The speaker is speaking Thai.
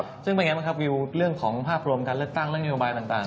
ซึ่งเป็นไงบ้างครับวิวเรื่องของภาพรวมการเลือกตั้งเรื่องนโยบายต่าง